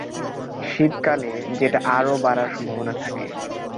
শীতকালে যেটা আরও বাড়ার সম্ভাবনা থাকে।